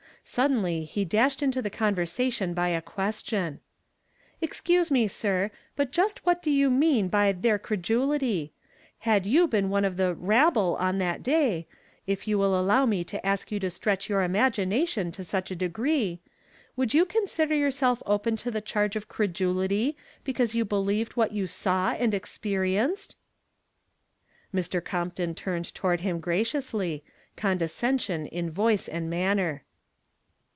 Sud denly he dashed into the convei sation by a question: —•" Excuse me, sir, but just what do you mean by 'their eredulity '? Had you been one of the * rabble ' on that day, if you will allow me to ask you to streteh your imagination to sueh a degree, would you eonsider youi self open to the eharge of credulity because you believed what you saw and experienced ?" Mr. Compton turned toward him graciously, con descension in voice and manner.